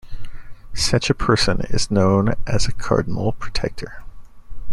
Such a person is known as a "Cardinal Protector".